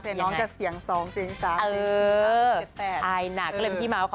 ทุกวันเป็นวันดีได้ค่ะ